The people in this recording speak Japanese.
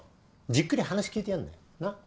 じっくり話聞いてやんだよなっ？